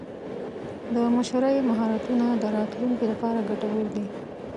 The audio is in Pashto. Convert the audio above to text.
د مشرۍ مهارتونه د راتلونکي لپاره ګټور دي.